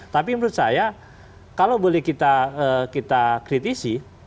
tapi menurut saya kalau boleh kita kritisi